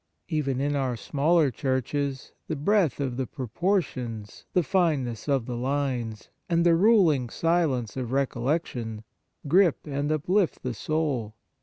Even in our smaller churches, the breadth of the proportions, the fine ness of the lines, and the ruling silence of recollection, grip and uplift the soul.